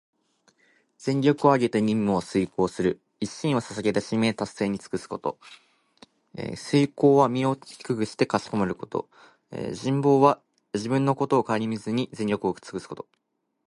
全力をあげて任務を遂行する、一身を捧げて使命達成に尽くすこと。「鞠躬」は身を低くしてかしこまること。「尽瘁」は自分のことをかえりみずに、全力をつくすこと。